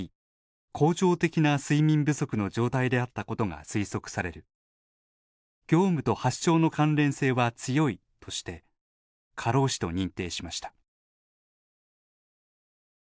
恒常的な睡眠不足の状態であったことが推測される業務と発症の関連性は強いとして過労死と認定しました。